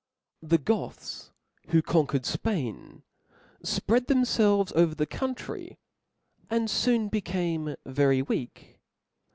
The Goths, who conquered Spain, fpread them felves over the country, and foon became very weak.